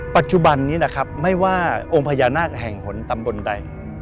ปัจจุบันนี้นะครับไม่ว่าองค์พญานาคแห่งหนตำบลใด